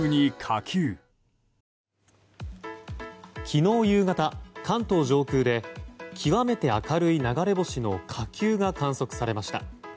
昨日夕方、関東上空で極めて明るい流れ星の火球が観測されました。